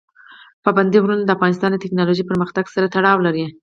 پابندی غرونه د افغانستان د تکنالوژۍ پرمختګ سره تړاو لري.